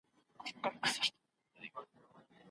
آیا ستاسو په کلي کې ښوونځی سته؟